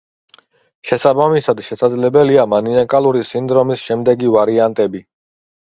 შესაბამისად, შესაძლებელია მანიაკალური სინდრომის შემდეგი ვარიანტები.